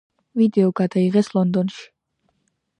ვიდეო გადაიღეს ლონდონში.